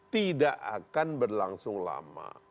tidak akan berlangsung lama